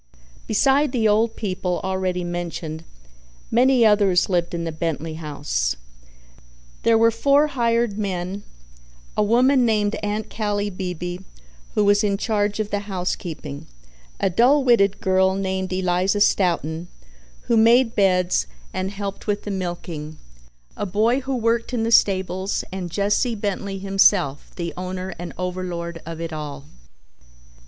Besides the old people, already mentioned, many others lived in the Bentley house. There were four hired men, a woman named Aunt Callie Beebe, who was in charge of the housekeeping, a dull witted girl named Eliza Stoughton, who made beds and helped with the milking, a boy who worked in the stables, and Jesse Bentley himself, the owner and overlord of it all.